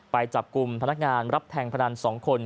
ไปจับกลุ่มพนักงานรับแทงพนัน๒คน